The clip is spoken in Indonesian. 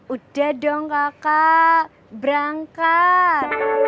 udah dong kakak berangkat